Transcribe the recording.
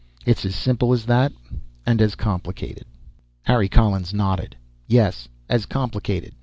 It's as simple as that. And as complicated." Harry Collins nodded. "Yes, as complicated.